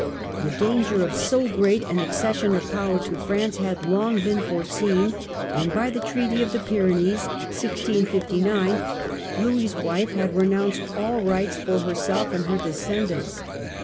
The danger of so great an accession of power to France had long been foreseen, and by the Treaty of the Pyrenees (1659) Louis' wife had renounced all rights for herself and her descendants.